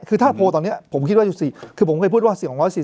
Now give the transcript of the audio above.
คือถ้าโพลตอนนี้ผมคิดว่าอยู่๔คือผมเคยพูดว่า๔๔๐